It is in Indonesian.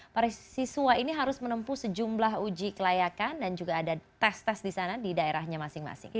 para siswa ini harus menempuh sejumlah uji kelayakan dan juga ada tes tes di sana di daerahnya masing masing